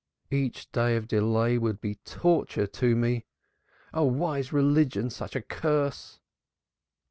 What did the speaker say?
Each day of delay would be torture to me. Oh, why is religion such a curse?"